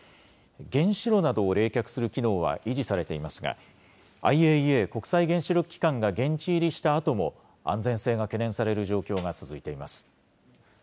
原子炉などを冷却する機能は維持されていますが、ＩＡＥＡ・国際原子力機関が現地入りしたあとも、安全性が懸念される状況が続いています。